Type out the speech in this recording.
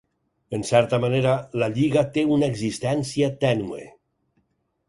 En certa manera, la lliga té una existència tènue.